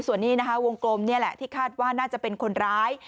ส่วนนี้นะคะวงกลมนี่แหละที่คาดว่าน่าจะเป็นคนร้าย